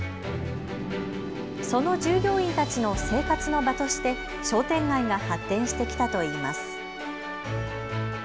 その従業員たちの生活の場として商店街が発展してきたといいます。